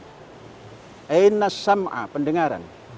aina sam'a pendengaran